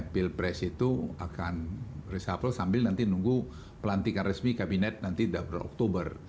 bill press itu akan reshuffle sambil nanti nunggu pelantikan resmi kabinet nanti daftar oktober